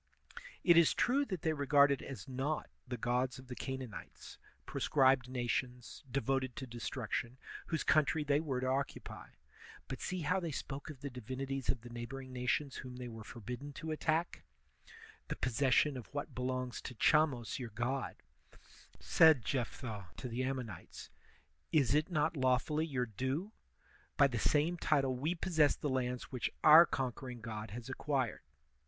It is true that they regarded as naught the gods of the Canaan ites, proscribed nations, devoted to destruction, whose country they were to occupy; but see how they spoke of the divinities of the neighboring nations whom they were forbidden to attack: ^The possession of what belongs to Chamos your god, * said Jephthah to the Ammonites, * is it not lawfully your due ? By the same title we pos. sess the lands which our conquering god has acquired.